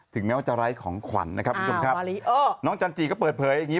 ถึงแม้ว่าจะไลฟ์ของขวัญนะครับน้องจันทรีย์ก็เปิดเผยอย่างนี้